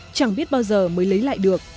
chẳng biết bao giờ mới lấy lại được